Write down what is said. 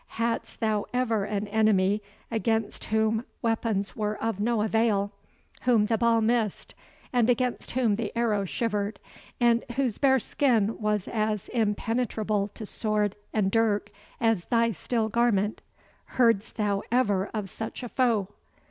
Hadst thou ever an enemy against whom weapons were of no avail whom the ball missed, and against whom the arrow shivered, and whose bare skin was as impenetrable to sword and dirk as thy steel garment Heardst thou ever of such a foe?"